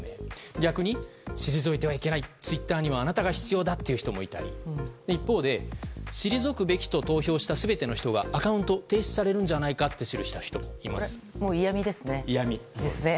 逆に、退いてはいけないツイッターにはあなたが必要だという人もいたり一方で退くべきと投票した全ての人はアカウント停止されるんじゃないかとこれは嫌味ですね。